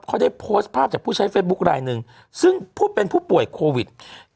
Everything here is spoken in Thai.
เขาได้โพสต์ภาพจากผู้ใช้เฟซบุ๊คลายหนึ่งซึ่งผู้เป็นผู้ป่วยโควิด